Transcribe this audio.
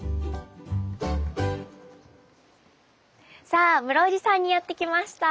さあ室生寺さんにやって来ました。